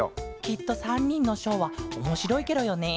きっと３にんのショーはおもしろいケロよね。